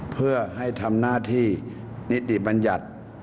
เพื่อให้ทำหน้าที่นิติบัญญัติ